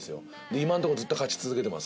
今のとこずっと勝ち続けてます。